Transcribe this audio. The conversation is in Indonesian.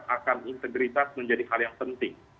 akan integritas menjadi hal yang penting